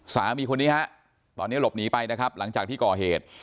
สามีคนนี้ฮะตอนนี้หลบหนีไปนะครับหลังจากที่ก่อเหตุ